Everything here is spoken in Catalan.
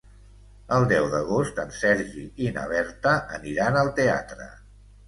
El deu d'agost en Sergi i na Berta aniran al teatre.